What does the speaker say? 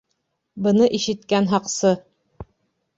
Быны ишеткән һаҡсы: